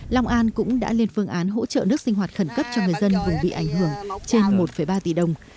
long an cũng đã lên phương án hỗ trợ nước sinh hoạt khẩn cấp cho người dân vùng bị ảnh hưởng trên một ba tỷ đồng